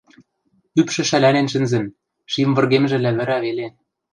Ӱпшӹ шӓлӓнен шӹнзӹн, шим выргемжӹ лявӹрӓ веле.